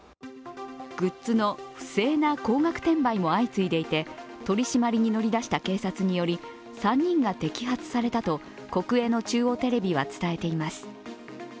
グッズの不正な高額転売も相次いでいて、取締りに乗り出した警察により３人が摘発されたと国営の中央テレビは伝えています。